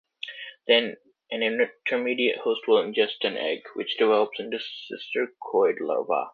Then, an intermediate host will ingest an egg, which develops into a cysticercoid larva.